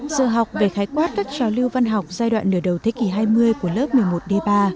giờ học về khái quát các trò lưu văn học giai đoạn nửa đầu thế kỷ hai mươi của lớp một mươi một d ba